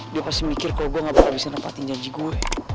dia pasti mikir kalau gue nggak bisa habisin repatin janji gue